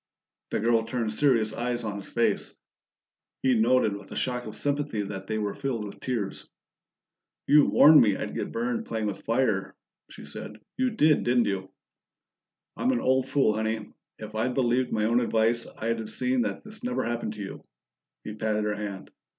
The girl turned serious eyes on his face; he noted with a shock of sympathy that they were filled with tears. "You warned me I'd get burned playing with fire," she said. "You did, didn't you?" "I'm an old fool, Honey. If I'd believed my own advice, I'd have seen that this never happened to you." He patted her hand.